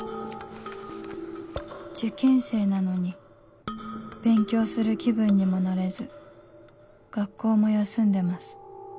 「受験生なのに勉強する気分にもなれず学校も休んでます」